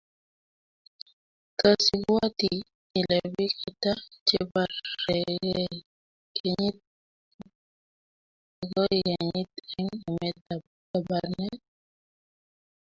Tos ibwoti ile biik ata chebarekei kenyit akoi kenyit eng emet ab Kabarnet?